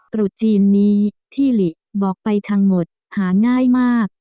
ตรุษจีนนี้ที่หลีบอกไปทั้งหมดหาง่ายมาก